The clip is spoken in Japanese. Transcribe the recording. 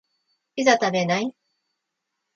ピザ食べない？